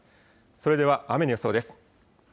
それでは雨の予想です。